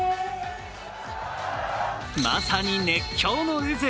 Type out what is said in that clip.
まさに熱狂の渦。